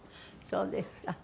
そうですか。